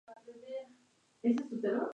Mosca trata de retenerlo en otra habitación.